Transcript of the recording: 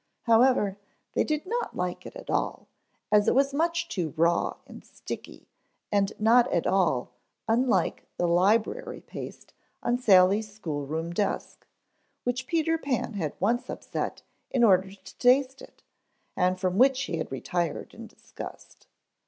However, they did not like it at all, as it was much too raw and sticky, and not at all unlike the library paste on Sally's school room desk, which Peter Pan had once upset in order to taste it and from which he had retired in disgust.